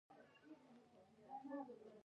صحیفه چې وي لیکلې هومره ښه ده.